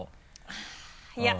あっいや！